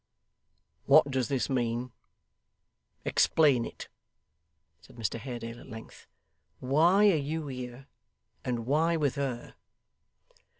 'What does this mean? Explain it,' said Mr Haredale at length. 'Why are you here, and why with her?